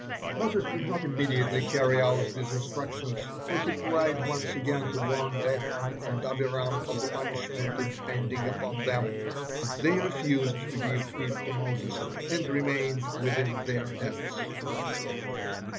'" Moses did not immediately carry out these instructions, for he tried once again to warn Dathan and Abiram of the punishment impending upon them, but they refused to give heed to Moses, and remained within their tents.